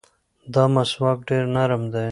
دا مسواک ډېر نرم دی.